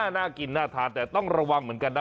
น่ากินน่าทานแต่ต้องระวังเหมือนกันนะ